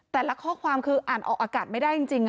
แต่ละข้อความคืออ่านออกอากาศไม่ได้จริงคุณผู้ชมค่ะ